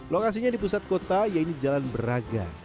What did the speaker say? lokasinya di pusat kota yaitu jalan braga